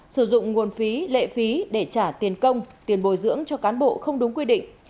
sử dụng nguồn phí lệ phí để trả tiền công tiền bồi dưỡng cho cán bộ không đúng quy định